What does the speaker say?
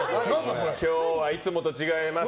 今日はいつもと違います。